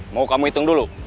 mau kamu hitung dulu